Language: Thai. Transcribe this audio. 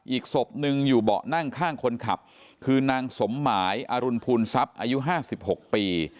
อีกศพหนึ่งอยู่เบาะนั่งข้างคนขับคือนางสมหมายอรุณภูลทรัพย์อายุ๕๖ปี